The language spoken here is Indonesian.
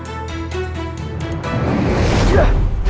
kita bisa mencarinya